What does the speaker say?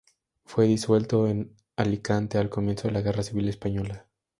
Fue disuelto en Alicante al comienzo de la Guerra Civil Española.